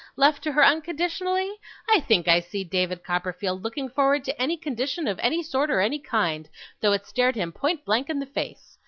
Left to her unconditionally! I think I see David Copperfield looking forward to any condition of any sort or kind, though it stared him point blank in the face!